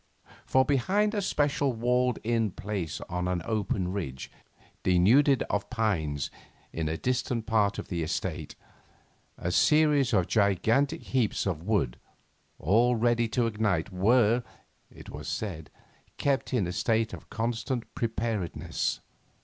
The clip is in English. For, 'behind a specially walled in space on an open ridge, denuded of pines, in a distant part of the estate, a series of gigantic heaps of wood, all ready to ignite, were it was said kept in a state of constant preparedness.